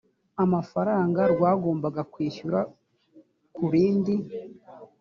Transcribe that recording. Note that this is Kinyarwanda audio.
amafaranga rwagombaga kwishyura ku rindi